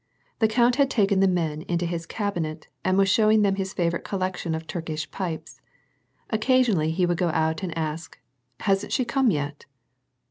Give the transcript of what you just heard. The count had taken the men into his cabinet and was showing them his favorite collection of Turkish pipes. Occasionally, he would go out and ask :" Hasn't she come yet